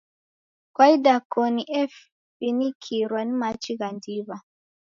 Kwa idakoni efinikirwa ni machi gha ndiw'a.